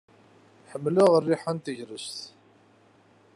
Ḥemmleɣ rriḥa n tegrest.